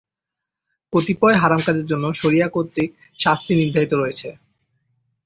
কতিপয় হারাম কাজের জন্য শরিয়া কর্তৃক শাস্তি নির্ধারিত রয়েছে।